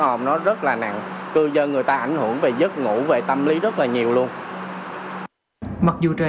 hồn nó rất là nặng cư dân người ta ảnh hưởng về giấc ngủ về tâm lý rất là nhiều luôn mặc dù trên